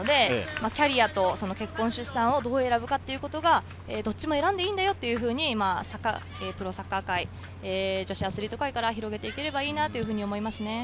キャリアと結婚、出産をどう選ぶかというのは、どちらも選んでいいとプロサッカー界、女子アスリート界から広げていければいいと思います。